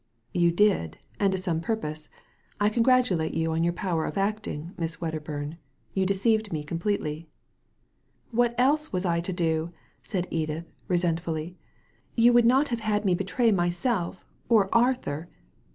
"You did, and to some purpose. I congratulate you on your power of acting, Miss Wedderbura. You deceived me completely." "What else was I to do? " said Edith, resentfully. "You would not have had me betray myself or Arthur?